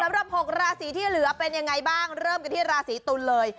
๖ราศีที่เหลือเป็นยังไงบ้างเริ่มกันที่ราศีตุลเลย